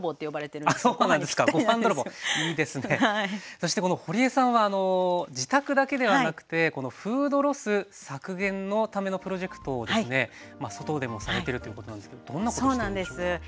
そしてほりえさんは自宅だけではなくてフードロス削減のためのプロジェクトをですね外でもされてるということなんですけどどんなことをしてるんでしょうか？